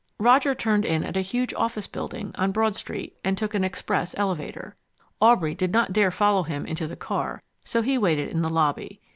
Roger turned in at a huge office building on Broad Street and took an express elevator. Aubrey did not dare follow him into the car, so he waited in the lobby.